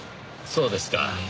そうですか。